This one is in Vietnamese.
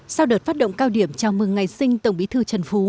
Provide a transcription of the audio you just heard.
sau đợt phát động cao điểm chào mừng ngày sinh tổng bí thư trần phú